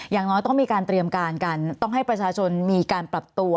อย่างน้อยต้องมีการเตรียมการกันต้องให้ประชาชนมีการปรับตัว